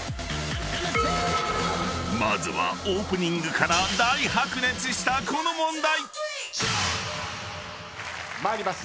［まずはオープニングから大白熱したこの問題］参ります。